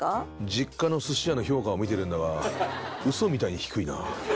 実家の寿司屋の評価を見てるんだがウソみたいに低いな。